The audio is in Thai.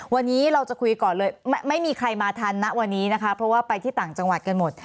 วันนี้เราจะคุยก่อนเลยไม่มีใครมาทันนะวันนี้นะคะเพราะว่าไปที่ต่างจังหวัดกันหมด